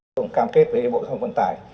tôi cũng cam kết với bộ thông vân tài